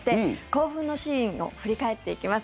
興奮のシーンを振り返っていきます。